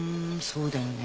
そうだよね。